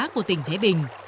của tỉnh thế bình